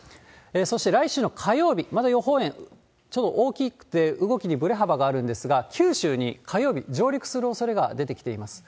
そして来週の火曜日、まだ予報円、ちょっと大きくて、動きにぶれ幅があるんですが、九州に火曜日、上陸するおそれが出てきています。